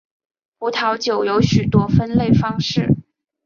葡萄酒有许多分类方式。